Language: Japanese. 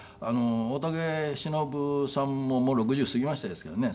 大竹しのぶさんももう６０過ぎましたですけどね。